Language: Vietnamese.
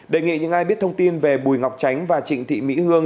đề nghị những ai biết thông tin về bùi ngọc chánh và trịnh thị mỹ hương